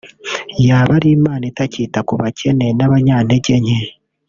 yaba ari Imana itakita ku bakene n’abanyantege nke